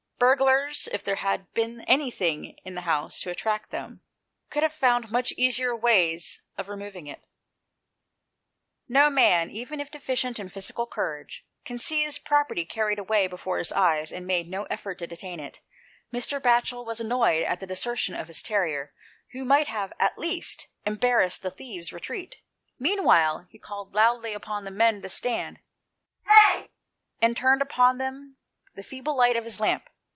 Burglars, if there had been anything in the house to attract them, could have found much easier ways of remov ing it. 164 THE PLACE OP SAFETY. No man, even if deficient in physical courage, can see his property carried away before his eyes and make no effort to detain it. Mr. Batchel was annoyed at the desertion of his terrier, who might at least have embarrassed the thieves' retreat; meanwhile he called loudly upon the men to stand, and turned upon them the feeble light of his lamp.